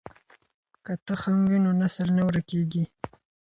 که تخم وي نو نسل نه ورکېږي.